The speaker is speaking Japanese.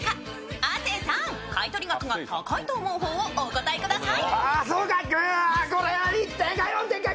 亜生さん、買い取り額が高いと思う方をお答えください。